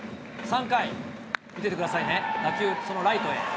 ３回、見ててくださいね、その打球、そのライトへ。